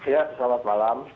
ya selamat malam